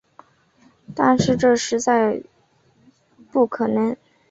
但是这实在不可能